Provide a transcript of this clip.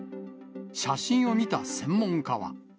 写真を見た専門家は。